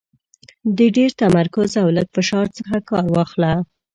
د ډېر تمرکز او لږ فشار څخه کار واخله .